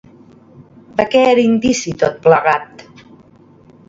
De què era indici tot plegat?